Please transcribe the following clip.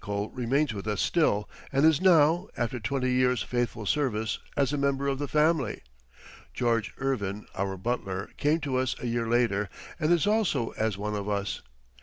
Nicoll remains with us still and is now, after twenty years' faithful service, as a member of the family. George Irvine, our butler, came to us a year later and is also as one of us.